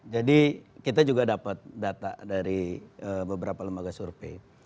jadi kita juga dapat data dari beberapa lembaga survei